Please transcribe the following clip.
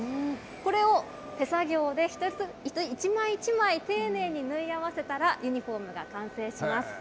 これを手作業で一枚一枚、丁寧に縫い合わせたら、ユニホームが完成します。